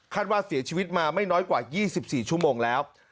ว่าเสียชีวิตมาไม่น้อยกว่า๒๔ชั่วโมงแล้ว